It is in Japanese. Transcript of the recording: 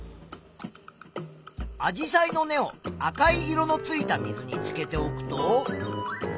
アジサイの根を赤い色のついた水につけておくと。